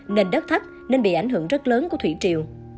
nền đất thắt nên bị ảnh hưởng rất lớn của thủy triều